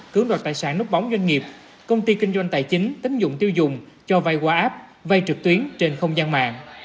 công ty kinh doanh tài chính tín dụng tiêu dùng cho vay qua app vay trực tuyến trên không gian mạng